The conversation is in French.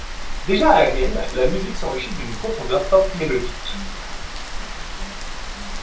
Déjà aérienne, la musique s'enrichit d'une profondeur pop mélodique.